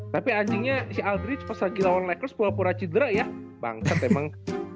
tapi anjingnya si aldrich pas lagi lawan lakers pura pura cedera ya bangket emang